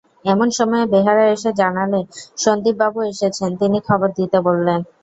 এমন সময়ে বেহারা এসে জানালে, সন্দীপবাবু এসেছেন, তিনি খবর দিতে বললেন।